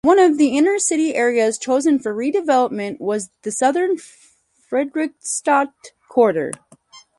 One of the inner city areas chosen for redevelopment was the southern Friedrichstadt quarter.